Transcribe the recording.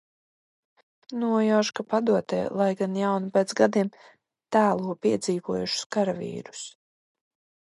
Nojaušu, ka padotie, lai gan jauni pēc gadiem, tēlo piedzīvojušus karavīrus.